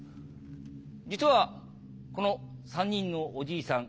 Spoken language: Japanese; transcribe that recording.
実はこの３人のおじいさん。